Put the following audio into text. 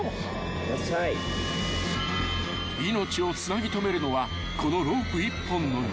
［命をつなぎ留めるのはこのロープ１本のみ］